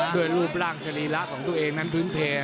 รูปร่างสรีระของตัวเองนั้นพื้นเพล